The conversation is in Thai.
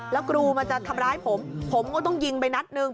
แล้วกรูมาจะทำร้ายผมผมก็ต้องยิงไปนัดหนึ่ง